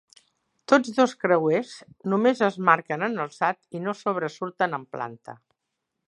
Tots dos creuers només es marquen en alçat i no sobresurten en planta.